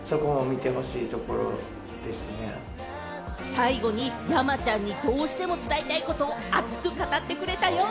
最後に山ちゃんにどうしても伝えたいこと、熱く語ってくれたよ。